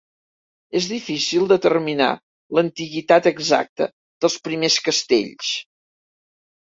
És difícil determinar l'antiguitat exacta dels primers castells.